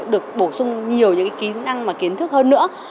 được bổ sung nhiều những kỹ năng và kiến thức hơn nữa